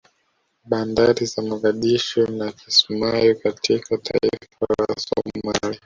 Bandari za Mogadishu na Kismayu katika taifa la Somalia